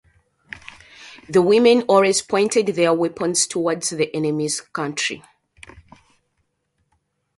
The women always pointed their weapons towards the enemy's country.